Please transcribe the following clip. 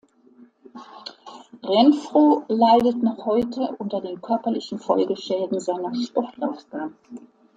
Renfro leidet noch heute unter den körperlichen Folgeschäden seiner Sportlaufbahn.